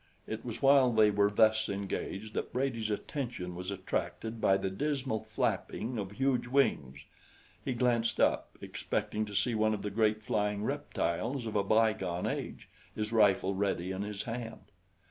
It was while they were thus engaged that Brady's attention was attracted by the dismal flapping of huge wings. He glanced up, expecting to see one of the great flying reptiles of a bygone age, his rifle ready in his hand.